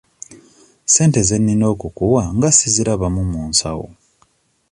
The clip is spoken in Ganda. Ssente ze nnina okukuwa nga sizirabamu mu nsawo?